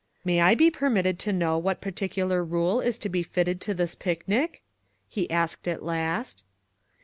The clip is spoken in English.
"May I be permitted to know what par ticular rule is to be fitted to this picnic?" he asked at last.